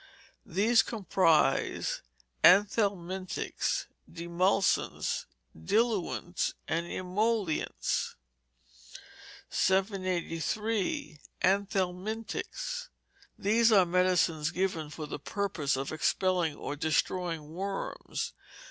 These comprise anthelmintics, demulcents, diluents, and emollients. 783. Anthelmintics. These are medicines given for the purpose of expelling or destroying worms.